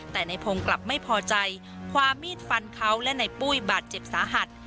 แต่ในพงศ์กลับไม่พอใจความมีดฟันเขาและในปุ้ยบาดเจ็บสาหัส